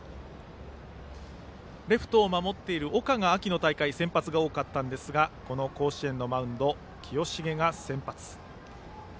レフトを守っている岡が秋の大会先発が多かったんですがこの甲子園のマウンドで清重が先発。